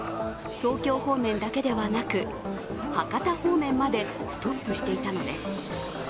東京方面だけではなく博多方面までストップしていたのです。